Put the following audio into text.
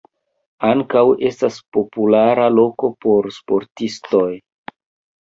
Ankaŭ estas populara loko por sportistoj.